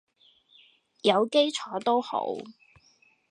有基礎都好